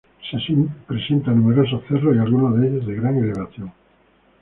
Presenta numerosos cerros y algunos de ellos de gran elevación.